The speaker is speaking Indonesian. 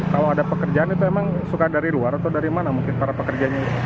kalau ada pekerjaan itu emang suka dari luar atau dari mana mungkin para pekerjanya